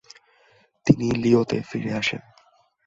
তিনি লিওঁতে ফিরে আসেন।